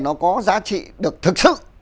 nó có giá trị được thực sự